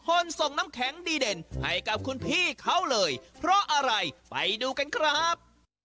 ส่งน้ำแข็งดีเด่นให้กับคุณพี่เขาเลยเพราะอะไรไปดูกันครับ